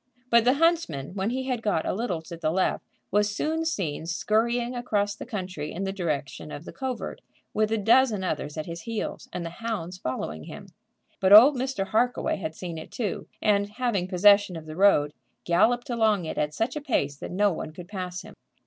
But the huntsman, when he had got a little to the left, was soon seen scurrying across the country in the direction of the covert, with a dozen others at his heels, and the hounds following him. But old Mr. Harkaway had seen it too, and having possession of the road, galloped along it at such a pace that no one could pass him.